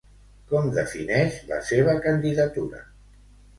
Com defineix la seva candidatura?